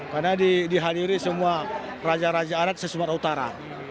karena dihadiri semua raja raja arat di sumatera utara